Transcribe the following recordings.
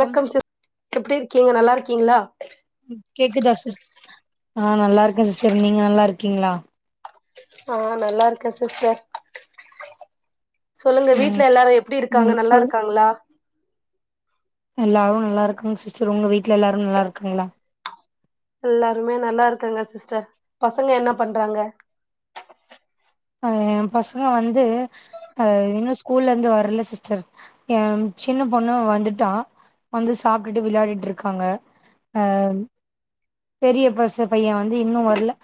come sis எப்டி இருக்கீங்கோ நல்லாருக்கீங்ளா கேக்குதா சிஸ் ஆ நல்லாருக்கே சிஸ்டர் நீங்க நல்லா இருக்கீங்ளா ஆ நல்லாருக்கே சிஸ்டர் சொல்லுங்க ம் வீட்ல எல்லாரு எப்டி இருக்காங்க ம் சொல்லு நல்லாருக்காங்ளா எல்லாரு நல்லாருக்காங் சிஸ்டர் உங்க வீட்ல எல்லாரு நல்லாருக்காங்ளா எல்லாருமே நல்லாருக்காங்க சிஸ்டர் பசங்க என்ன பண்றாங்க எ பசங்க வந்து ஆ இன்னு ஸ்கூல்லந்து வர்ல சிஸ்டர் எ சின்ன பொண்ணு வந்துட்டா வந்து சாப்டுட்டு விளயாடிட்ருக்காங்க ஆ பெரிய பஸ்ஸு பையேன் வந்து இன்னு வர்ல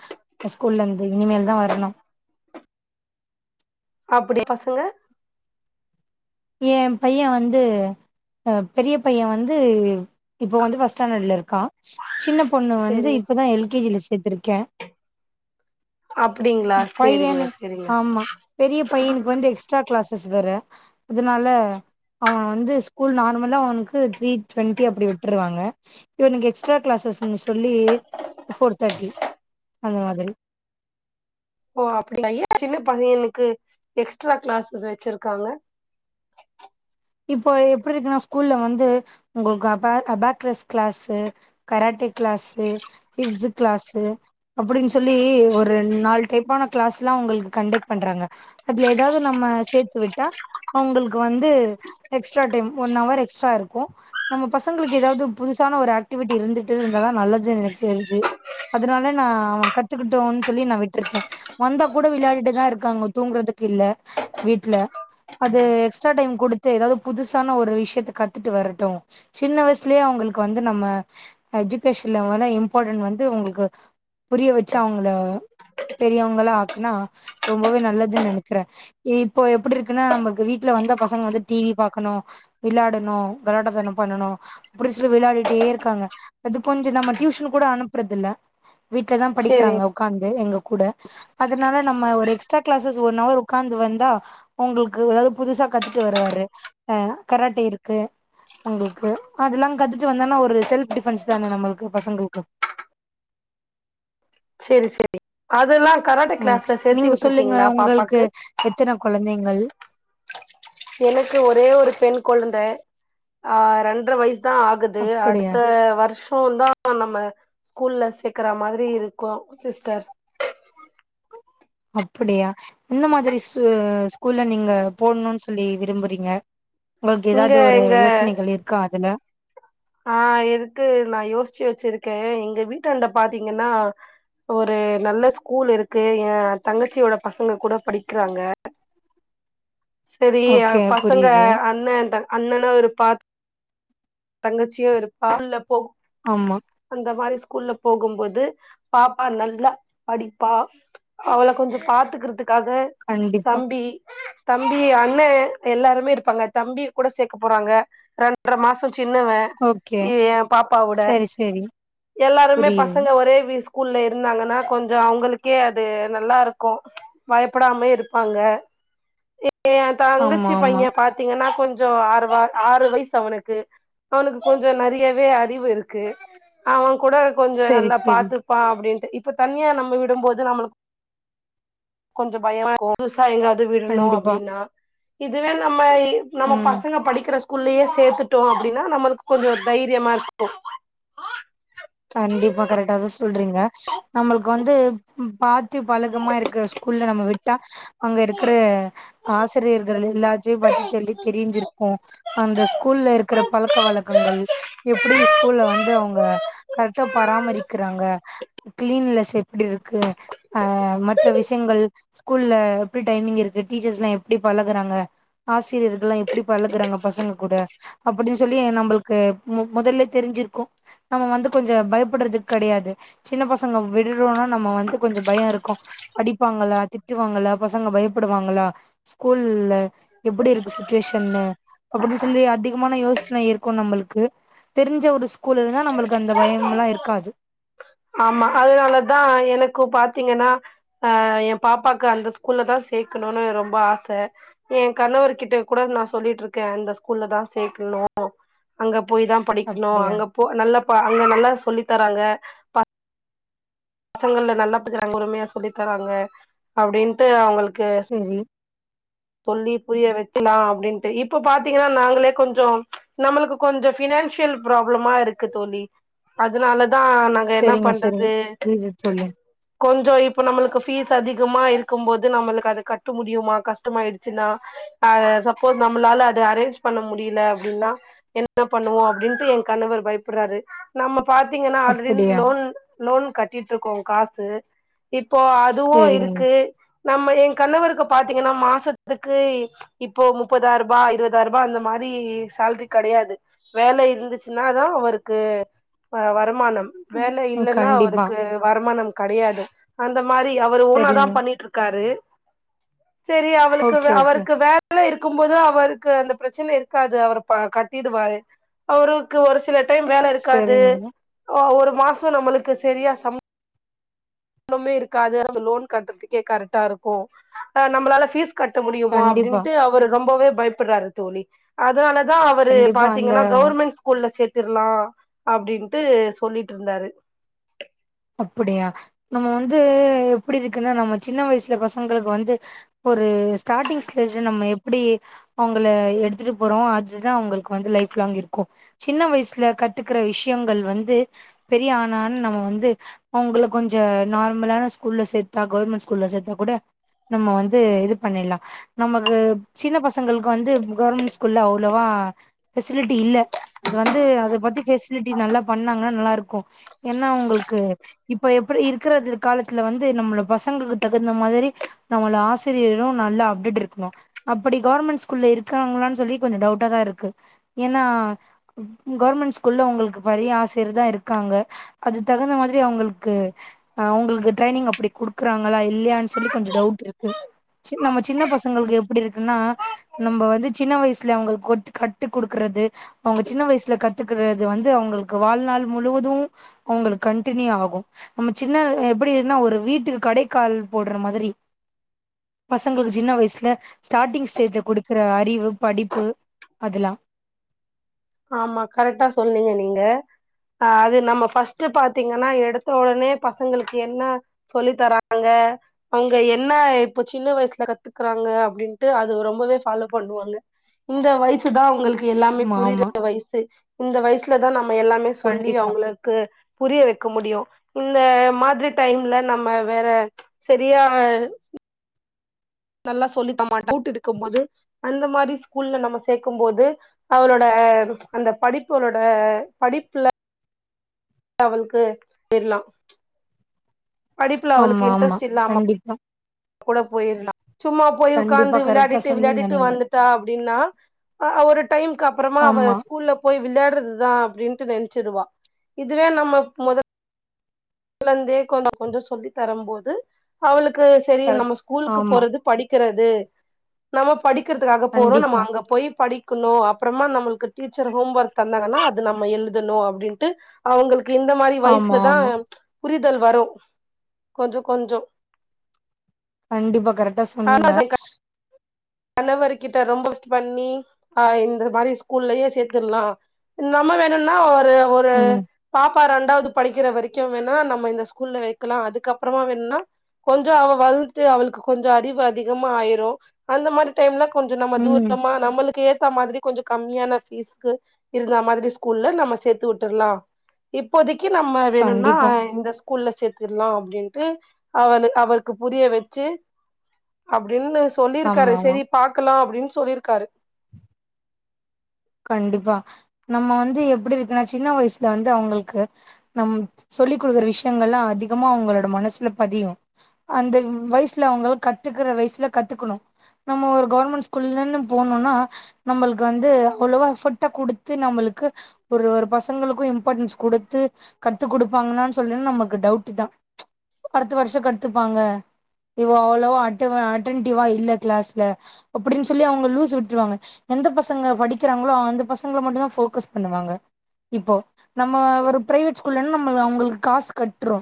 ஸ்கூல்லந்து இனிமேல் தா வர்னு அப்டி பசங்க ஏ பையே வந்து ஆ பெரிய பையே வந்து இப்போ வந்து ஃபஸ்ட் ஸ்டாண்டர்ட்லருக்கா சின்ன பொண்ணு வந்து சேரி இப்ப தா எல் கே ஜி ல சேத்துருக்கே அப்டிங்களா சேரிங்க பையனுக் சேரிங்க ஆமா பெரிய பையனுக்கு வந்து எக்ஸ் ட்ரா கிளாஸஸ் வேற அதனால அவெ வந்து ஸ்கூல் நார்மலா அவனுக்கு த்ரீ டுவெண்ட்டி அப்டி விட்ருவாங்க இவனுக்கு எக்ஸ்ட்ரா கிளாஸஸ்னு சொல்லி ஃபோர் தேர்ட்டி அந்த மாதிரி ஓ அப்டியா ஏ சின்ன பையனுக்கு எக்ஸ்ட்ரா கிளாஸஸ் வச்சிருக்காங்க இப்போ எப்பிருக்குன்னா ஸ்கூல்ல வந்து உங்களுக்கு அபா அபாக்லஸ் கிளாஸு கராட்டே கிளாஸு ஹிப்ஸு கிளாஸு அப்டின் சொல்லி ஒரு ரெண் நால் டைப்பான கிளாஸ்லா உங்களுக்கு கண்டெக்ட் பண்றாங்க அதுல எதாது நம்ம சேத்து விட்டா அவுங்ளுக்கு வந்து எக்ஸ்ட்ரா டைம் ஒன் அவர் எக்ஸ்ட்ராருக்கு நம்ம பசங்களுக்கு எதாவ்து புதுசான ஒரு ஆக்டிவிட்டி இருந்துட்ருந்தாதா நல்லதுனு எனக்கு தெரிஞ்சு அதுனால நா அவே கத்துக்கட்டுன் சொல்லி நா விட்ருக்கே வந்தா கூட விளாடிட்டேதா இருக்காங்க தூங்றதுக்கில்ல வீட்ல அது எக்ஸ்ட்ரா டைம் குடு த்து எதாவ்து புதுசான ஒரு விஷ்யத்த கத்துட்டு வரட்டு சின்ன வய்சுலே அவுங்களுக்கு வந்து நம்ம எஜுகேஷன் லெவல்ல இம்பார்டன்ட் வந்து உங்களுக்கு புரிய வச்சு அவுங்கள பெரியோங்களா ஆக்குனா ரொம்பவே நல்லதுன் நெனைக்கிறே இப்போ எப்டிருக்குன்னா நமக்கு வீட்ல வந்தா பசங்க வந்து டிவி பாக்கனு விளாடணு கலாட்டாத்தனோ பண்ணனு புடிச்சிட்டு விளாடிட்டே இருக்காங்க அது கொஞ்சோ நம்ம டியூஷன் கூட அனுப்றதில்ல வீட்லதா சேரி படிக்கிறாங்க உக்காந்து எங்க கூட அதனால நம்ம ஒரு எக்ஸ்ட்ரா கிளாசஸ் ஒன் அவர் உக்காந்து வந்தா உங்களுக்கு ஏதாது புதுசா கத்துட்டு வருவாரு ஆ கரட்ட இருக்கு உங்களுக்கு அதெல்லா கத்துட்டு வந்தேன்னா ஒரு செல்ஃப் டிஃபென்ஸ் தானே நம்மளுக்கு பசங்களுக்கு சேரி சே அதெல்லா கராட்டே ம் கிளாஸ்ல சேத்தி நீங்க சொல்லுங்க விட்ருக்கீங்ளா உங்களுக்கு பாப்பாக்கு எத்தன கொழந்தைங்கள் எனக்கு ஒரே ஒரு பெண் கொழ்ந்த ஆ ரெண்ர வய்சு தா ஆ குது அப்படியா அடுத்த வர்ஷோ தா நம்ம ஸ்கூல்ல சேக்குற மாரி இரு கோ சிஸ்டர் அப்பிடியா எந்த மாதிரி ஸு ஸ்கூல்ல நீங்க போட்னுன் சொல்லி விரும்புறீங்க உங்களுக்கு இங்க எதாவ்து ஒரு எங்க யோசனைகள் இருக்கா அதுல ஆ இருக்கு நா யோச்சு வச்சிருக்கே எங்க வீட்டாண்ட பாத்தீங்கன்னா ஒரு நல்ல ஸ்கூல் இருக்கு ஏ தங்கச்சியோட பசங்க கூட படிக்கிறாங்க செரியா ஓகே பசங்க புரியுது அண்ணே அண்ணனு இருப்பா தங்கச்சியு இருப்பா ஆமா அந்த மாதிரி ஸ்கூல்ல போகும்போது பாப்பா நல்லா படிப்பா அவள கொஞ்ச பாத்துக்கறதுக்காக கண்டிப்பா தம்பி தம்பி அண்ண எல்லாருமே இருப்பாங்க தம்பி கூட சேக்க போறாங்க ரெண்டர மாச சின்னவ ஓகே ஏ பாப்பாவோட சரி சரி எல்லாருமே புரியுது பசங்க ஒரே விஷ் ஸ்கூல்ல இருந்தாங்கன்னா கொஞ்ச அவங்களுக்கே அது நல்லாருக்கு பயப்படாம இருப்பாங்க ஏ அந் ஆமா தங்கச்சி ஆமா பைய பாத்தீங்கன்னா கொஞ்ச ஆறுவ ஆறு வயசு அவனுக்கு அவனுக்கு கொஞ்ச நெறையவே அறிவு இருக்கு அவ கூட கொஞ்ச சரி நல்லா சரி பாத்து பா அப்டின்ட்டு இப்ப தனியா நம்ம விடும்போது நம்மளுக் கொஞ்ச பயமா இருக்கு புதுசா எங்காவது விட்ணு கண்டிப்பா அப்டின்னா இதுவே நம்ம நம்ம ம் பசங்க படிக்கிற ஸ் கூல்லேயே சேத்துட்டோ அப்டின்னா நம்மளுக்கு கொஞ்ச தைரியமா இருக்கு கண்டிப்பா கரெக்டா தா சொல்றீங்க நம்மளுக்கு வந்து ம் பாத்து த்து பழக்கமா இருக்குற ஸ்கூல்ல நம்ம விட்டா அங்க இருக்குற ஆசிரியர்கள் எல்லாத்தையு பத்தி டெல்லி தெரிஞ்சிருக்கு அந்த ஸ்கூல்ல இருக்கிற பழக்க வழக்கங்கள் எப்டி ஸ்கூல்ல வந்து அவுங்க ட்ட பராமரிக்கிறாங்க கிளீன்லஸ் எப்டி இருக்கு ஆ மற்ற விஷயங்கள் ஸ்கூல்ல எப்டி டைமிங் இருக்கு டீச்சர்ஸ் எல்லா எப்டி பழகுறாங்க ஆசிரியர்கள்லா எப்டி பழகுறாங்க பசங்க கூட அப்டின்னு சொல்லி நம்பளுக்கு மொ மொதல்ல தெரிஞ்சுருக்கு நம்ம வந்து கொஞ்ச பயப்படுறது கெடையாது சின்ன பசங்க விடுறோனா நம்ம வந்து கொஞ்ச பய இருக்கு அடிப்பாங்களா திட்டுவாங்களா பசங்க பயப்படுவாங்களா ஸ்கூல்ல எப்டி இருக்கு சுச்சுவேஷன்னு அப்டின்னு சொல்லி அதிகமான யோசனை இருக்கு நம்மளுக்கு தெரிஞ்ச ஒரு ஸ்கூல் இருந்தா நம்மளுக் அந்த பயம் எல்லா இருக்காது ஆமா அதனால தா எனக்கு பாத்தீங்கன்னா ஆ ஏ பாப்பாக்கு அந்த ஸ்கூல்ல தா சேக்கணுன்னு ரொம்ப ஆச ஏ கணவர்கிட்ட கூட நா சொல்லிட்டு இருக்கே அந்த ஸ்கூல்ல தா சேக்கணு அங்க போய் தா படிக்கணு அப்டியா அங்க போ நல்ல ப அங்க நல்லா சொல்லித் தராங்க பசங்கள நல்லா பாக்குறாங்க பொறுமையா சொல்லி தராங்க அப்டின்ட்டு அவுங்களுக் செரி சொல்லி புரிய வச்சுலா அப்டின்ட்டு இப்ப பாத்தீங்கன்னா நாங்களே கொஞ்ச நம்மளுக்கு கொஞ்ச ஃபினான்சியல் ப்ராப்ளமா இருக்கு தோழி அதனாலதா நா அங்க என்ன செரிங்க செரிங்க பண்றது புரியுது தோழி கொஞ்ச இப்ப நம்மளுக்கு ஃபீஸ் அதிகமா இருக்கும் போது நம்மளுக்கு அத கட்ட முடியுமா கஷ் ட்டமாயிடுச்சின்னா அ சப்போஸ் நம்மளால அது அரேஞ்ச் பண்ண முடியல அப்டின்னா என்ன பண்ணுவோ அப்டின்ட்டு என் கணவர் பயப்பர்றாரு நம்ம பாத்தீங்கன்னா ஆல்ரெடி அப்படியா லோன் லோன் கட்டிக்கிட்ருக்கோ காசு இப்போ அதுவு செரிங்க இருக்கு நம்ம எங் கணவருக்கு பாத்தீங்கன்னா மா சத்துக்கு இப்போ முப்பதாயி ரூபா இருபதாயி ரூபா அந்த மாரி சேல்ரி கெடையாது வேலை இருந்துச்சுன்னா தா அவருக்கு ஆ வருமானம் வேலை ம் இல்லன்னா கண்டிப்பா அவருக்கு வருமானம் கெடையாது அந்த மாரி அவரு ஓனா தா செரிங்க பண்ணிட்டு இருக்காரு சரி அவளுக்கு ஓகே வே ஓகே அவருக்கு வ ல இருக்கும் போது அவருக்கு அந்த பிரச்சன இருக்காது அவரு ப கட்டிடுவாரு அவருக்கு ஒரு ஸ் சில டைம் வேல இருக்காது செரிங்க ஆ ஒரு மாச நம்மளுக்கு சரியா சம் ண்ணமே இருக்காது அந்த லோன் கட்றதுக்கே கரெக்டா இருக்கு ஆ நம்பளால ஃபீஸ் கட்ட முடியுமா கண்டிப்பா அப்டின்ட்டு அவர் ரொம்பவே பயப்பட்றாரு தோழி அதனால அதா அவரு கண்டிப்பா அந்த பாத்தீங்கனா கவர்மெண்ட் ஸ்கூல்ல சேத்திரலா அப்டின்ட்டு சொல்லிட்ருந்தாரு அப்படியா நம்ம வந்து எப்டி இருக்குன்னா நம்ம சின்ன வயசுல பசங்களுக்கு வந்து ஒரு ஸ்டாட்டிங் ஸ்டேஜ்ல நம்ம எப்டி அவங்கள எடுத்துட்டு போறோ அதுதா அவுங்களுக்கு வந்து லைஃப் லாங் இருக்கு சின்ன வயசுல கத்துக்கற விஷயங்கள் வந்து பெரிய ஆனான் நம்ம வந்து அவுங்கள கொஞ்ச நார்மலான ஸ்கூல்ல சேத்தா கூ கவர்மெண் ஸ்கூல்ல சேத்தா கூட நம்ம வந்து இது பண்ணில்லா நமக்கு சின்ன பசங்களுக்கு வந்து கவர்மெண் ஸ்கூல்ல அவ்ளோவா ஃபெசிலிட்டி இல்ல அது வந்து அது பத்தி ஃபெசிலிட்டி நல்லா பண்ணாங்னா நல்லாருக்கு ஏன்னா உங்களுக்கு இப்ப எப்படி இருக்கறது காலத்துல வந்து நம்மள பசங்களுக்கு தகுந்த மாதிரி நம்மள ஆசிரியரு நல்லா அப்டேட் இருக்கணு அப்படி கவர்மெண் ஸ்கூல்ல இருக்காங்ளான் சொல்லி கொஞ்ச டவுட்டாதாஇருக்கு ஏன்னா க கவர்மெண்ட் ஸ்கூல்ல உங்களுக்கு பரிய ஆசியர் தா இருக்காங்க அது தகுந்த மாதிரி அவுங்கள்க்கு அவ்ங்ளுக்கு ட்ரைனிங் அப்படி குடுக்குறாங்களா இல்லையான் சொல்லி கொஞ்ச டவுட் இருக்கு செ நம்ம சின்ன பசங்களுக்கு எப்டி இருக்குன்னா நம்ம வந்து சின்ன வயசுல அவுங்களுக்கு கொட் கட்டு குடுக்கறது அவுங்க சின்ன வயசுல கத்துக்கறது வந்து அவுங்களுக்கு வாழ்நாள் முழுவது அவுங்களுக்கு கன்ட்டினியூ ஆகு நம்ம சின்ன எப்படினா ஒரு வீட்டுக்கு கடைக்கால் போட்ற மாதிரி பசங்களுக்கு சின்ன வயசுல ஸ்டார்டிங் ஸ்டேஜ்ல குடுக்குற அறிவு படிப்பு அதெலா ஆமா கரெக்டா சொன்னிங்க நீங்க அ அது நம்ம ஃபர்ஸ்ட்டு பாத்தீங்கன்னா எடுத்த ஒடனே பசங்களுக்கு என்ன சொல்லி தராங்க அவுங்க என்ன இப்ப சின்ன வயசுல கத்துக்குறாங்க அப்டின்ட்டு அது ரொம்பவே ஃபாலோ பண்ணுவாங்க இந்த வயஸ் சுதா அவுங்களுக்கு எல்லாமே ஆமா புரியற ஆமா வயசு இந்த வயசுல தா நம்ம எல்லாமே சொல்லி கண்டிப்பா அவுங்கள க்கு புரிய வக்க முடியு இந்த மாதிரி டைம்ல நம்ம வேற சரியா நல்லா சொல்லி த [inaudible] மாட்டோ [inaudible] கூட்டுடுக்கும் போது அந்த மாரி ஸ்கூல்ல நம்ம சேக்கும் போது அவளோட அந்த படிப்பு அவ்ளோட படிப்புல அவுளுக்கு எல்லா படிப்புல ஆமா அவுளுக்கு ஆமா இன்ட்ரெஸ்ட் இல்லாம கண்டிப்பா கூட போயிர்லா சும்மா போய் கண்டிப்பா உக்காந்து கரெக்டா விளையாடிட்டு சொன்னீங்க விளையாடிட்டு நீங்க வந்துட்டா அப்டின்னா ஆ ஒரு டைம்கு அப்பறமா அவ ஆமா ஸ்கூல்ல போய் விளையாட்றதுதா அப்டின்ட்டு நென்ச்சுருவா இதுவே நம்ம மொத கொழந்தே கொஞ்சொ கொஞ்சொ சொல்லி தரும்போது அவளுக்கு செரி நம்ம கரெக்ட் ஸ்கூலுக்கு ஆமா போறது படிக்கிறது நம்ம படிக்கிறதுக்காக போறோ நம்ம கண்டிப்பா அங்க போய் படி க்கணு அப்றொமா நம்மளுக்கு டீச்சர் ஹோம் வர்க் தந்தாங்கன்னா அது நம்ம எழுதணு அப்டின்ட்டு அவ்ங்களுக்கு இந்த மாரி ஆமா வய்சுலதா ஆமா புரிதல் வரு கொஞ்சொ கொஞ்சொ கண்டிப்பா கரெக்டா அ சொன்னீங்க கணவர் கிட்ட ரொம் [inaudible] பஸ்ட் பண்ணி அ இந்த மாரி ஸ்கூல்லயே சேத்திர்லா நம்ம வேணுன்னா ஒரு ஒரு ம் பாப்பா ரெண்டாவ்து படிக்கிற வரைக்கு வேணா நம்ம இந்த ஸ்கூல்ல வெக்கலா அதுக்கப்பறமா வேண்னா கொஞ்சொ அவ வள்த்தி அவளுக்கு கொஞ்சொ அறிவு அதிகமா ஆயிரு அந்த மாரி டைம்ல கொஞ்சொ நம்ம ம் தூரமா நம்மளுக்கு ஏத்த மாதிரி கொஞ்சொ கம்மியான ஃபீஸுக்கு இருந்த மாதிரி ஸ்கூல்ல நம்ம சேத்து உட்டர்லா இப்போதெக்கி நம்ம வேணுனா கண்டிப்பா அ இந்த ஸ் ஸ்கூல்ல சேத்திர்லா அப்டின்ட்டு அவனு அவளுக்கு புரிய வெச்சு அப்டின் னு ஆமா சொல்லிர்க்காரு ஆமா செரி பாக்கலா அப்டின் சொல்லிர்க்காரு கண்டிப்பா நம்ம வந்து எப்பிடி இருக்குன்ன சின்ன வய்சுல வந்து அவ்ங்களுக்கு நம் சொல்லி குடுக்குற விஷயங்கள்லா அதிகமா அவங்களோட மனசுல பதியு அந்த வ வய்சுல அவ்ங்க கத்துக்குற வய்சுல கத்துக்கணு நம்ம ஒரு கவர்மண்ட் ஸ்கூல்லன் போனோனா நம்மளுக்கு வந்து அவ்ளொவா எஃபட்டா குடுத்து நம்மளுக்கு ஒரு ஒரு பசங்களுக்கும் இம்பாட்டன்ஸ் குடுத்து கத்து குடுப்பாங்கன்னான் சொல்லன்னா நமக்கு டவுட்டுதா அடுத்த வருஷொ கத்துப்பாங்க இவோ அவ்ளோவோ அட்ட அட்டென்டிவா இல்ல க்ளாஸ்ல அப்டின்னு சொல்லி அவுங்க லூஸ் விட்ருவாங்க எந்த பசங்க படி க்கெறாங்களோ அந்த பசங்கள மட்டுந்தா ஃபோக்கஸ் பண்ணுவாங்க இப்போ நம்ம ஒரு ப்ரைவேட் ஸ்கூல்லன்னா நம்ம அவ்ங்களுக்கு காசு கட்றோ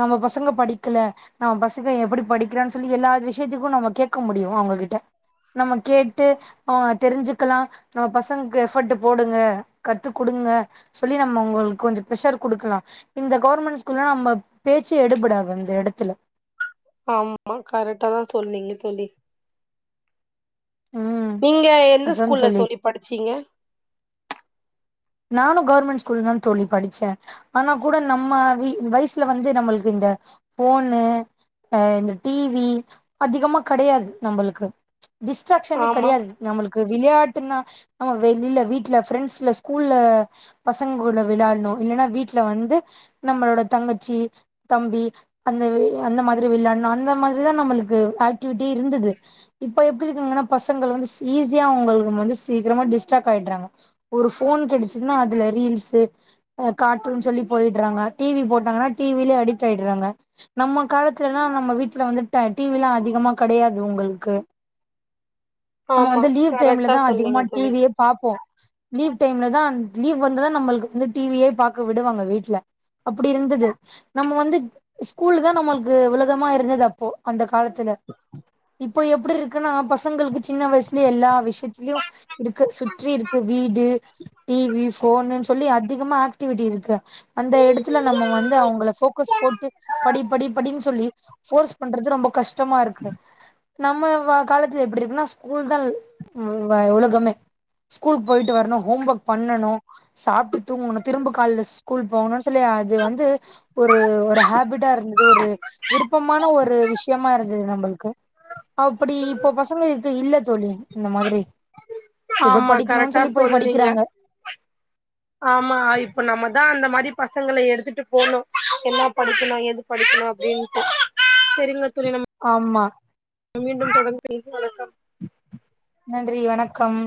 நம்ம பசங்க படிக்கல நம்ம பசக்க எப்பிடி படிக்கிறான்னு சொல்லி எல்லா இ விஷயத்துக்கு நம்ம கேக்க முடியு அவுங்ககிட்ட நம்ம கேட்டு அவ தெருஞ்சுக்கலா நம்ம பசங்களுக்கு எஃபோட்டு போடுங்க கத்து குடுங்க சொல்லி நம்ம உங்களுக்கு கொஞ்சொ தெ ப்ரெஷர் குடுக்கலா இந்த கவர்மண்ட் ஸ்கூல்ல நம்ம பேச்சு எடுபடாது அந்த எடத்துல ஆமா கரட்டாதா சொல்னீங்க தோழி ம் நீங்க எந்த ஸ்கூல்ல தோழி படிச்சீங்க நானு கவர்மண்ட் ஸ்கூல்லா தோழி படிச்சே ஆனா கூட நம்ம வீ வய்சுல வந்து நம்மளுக்கு இந்த ஃபோன்னு அ இந்த டி வி அதிகமா கடயாது நம்பளுக்கு டிஸ்ட்ராக்ஷனே ஆமா கடையாது நம்பளுக்கு விளயாட்டுன்னா நம்ம வெளில வீட்ல ஃப்ரெண்ட்ஸ்ல சு கூல்ள பசங்கங்கூட விளாட்ணும் இல்லன்னா வீட்ல வந்து நம்மளோட தங்கச்சி தம்பி அந்த அந்த மாதிரி விளாட்னு அந்த மாதிரிதா நம்மளுக்கு ஆக்டிவிட்டி இருந்துது இப்ப எப்டி இருக்குங்கன்னா பசங்கள வந்து சி ஈஸியா அவுங்களுக்கு வந்து சீக்கரமா டிஸ்ட்ராக்ட் ஆயிட்றாங்க ஒரு ஃபோன் கெடச்சுதுன்னா அதுல ரீல்ஸ்சு அ கார்டூன் சொல்லி போயிட்றாங்க டிஸவி போட்டாங்கன்னா டி வி லியே அடிக்ட் ஆயிட்றாங்க நம்ம காலத்துலல்லா நம்ம வீட்ல வந்து ட டி வி ல்லா அதிகமா கடையாது உங்குள்க்கு நம்ம ஆமா வந்து லீவ் கரெக்டா டைம்லதா அதிகமா சொன்னீங்க டி தோழி வி யே பாப்போ லீவ் டைம்ல தா லீவ் வந்துதா நம்ளுக்கு வந்து டி வி யே பாக்க விடுவாங்க வீட்ல அப்புடி இருந்துது நம்ம வந்து ஸ்கூல்லு தா நம்முளுக்கு உலகமா இருந்துது அப்போ அந்த காலத்துல இப்போ எப்டி இருக்குன்னா பசங்களுக்கு சின்ன வய்சுலயே எல்லா விஷ்யத்திலியு இருக்கு சுற்றி இருக்கு வீடு டிவி போன்னுன்னு சொல்லி அதிகமா ஆக்டிவிட்டி இருக்கு அந்த இடத்துல வந்து அவங்கள போக்கஸ் போட்டு படி படி படின்னு சொல்லி போர்ஸ் பண்றது ரொம்ப கஷ்டமா இருக்கு நம்ம காலத்துல எப்படி இருக்குனா ஸ்கூல் தான் உலகமே ஸ்கூலுக்கு போயிட்டு வரணும் ஹோம் ஒர்க் பண்ணணும் சாப்ட்டு தூங்கணும் திரும்ப கால்ல ஸ்கூல் போகணும்ன்னு சொல்லி அது வந்து ஒரு ஒரு ஹேபிட்டா இருந்தது ஒரு விருப்பமான ஒரு விஷயமா இருந்தது நம்மளுக்கு அப்புடி இப்போ பசங்க இப்ப இல்ல தோழி இந்த மாதிரி ஏதோ ஆமா படிக்கணும்ன்னு கரெக்டா சொல்லி போய் படிக் சொன்னீங்க ஆமா இப்ப நம்மதான் அந்த மாதிரி பசங்கள எடுத்துட்டு போணும் என்ன படிக்கணும் எது படிக்கெணு அப்டின்ட்டு செரிங்க தோழி நம் ஆமா மீண்டும் தொடர்ந்து பேச வணக்கம் நன்றி வணக்கம்